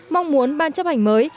mong muốn ban chấp hành mới